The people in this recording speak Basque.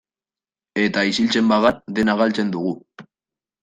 Eta isiltzen bagara, dena galtzen dugu.